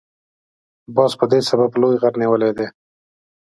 باز په دې سبب لوی غر نیولی دی.